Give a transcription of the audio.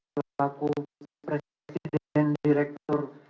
selaku presiden dan direktur